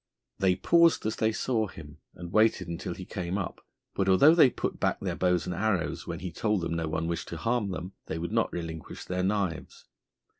They paused as they saw him, and waited until he came up; but although they put back their bows and arrows when he told them no one wished to harm them, they would not relinquish their knives.